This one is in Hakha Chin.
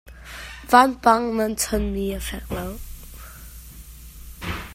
Vanpang nan chon mi a fek lo.